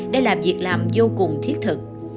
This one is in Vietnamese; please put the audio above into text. đây là việc làm vô cùng thiết thực